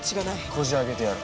こじ開けてやる。